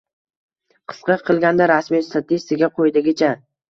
Qisqa qilganda rasmiy statistika quyidagicha